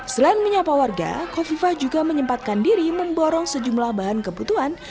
selain menyapa warga kofifa juga menyempatkan diri memborong sejumlah bahan kebutuhan